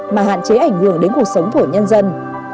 mà hạn chế ảnh hưởng đến cuộc sống của nhân dân